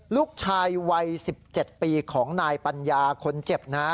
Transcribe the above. ลูกชายวัย๑๗ปีของนายปัญญาคนเจ็บนะ